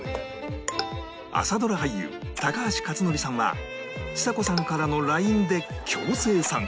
朝ドラ俳優高橋克典さんはちさ子さんからの ＬＩＮＥ で強制参加